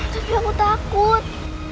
tapi aku takut